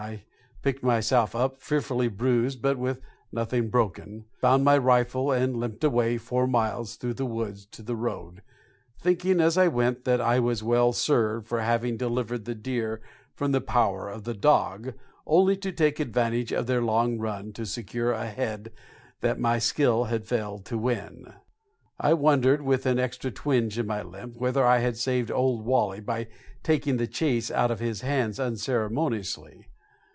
I picked myself up, fearfully bruised but with nothing broken, found my rifle and limped away four miles through the woods to the road, thinking as I went that I was well served for having delivered the deer "from the power of the dog," only to take advantage of their long run to secure a head that my skill had failed to win. I wondered, with an extra twinge in my limp, whether I had saved Old Wally by taking the chase out of his hands unceremoniously.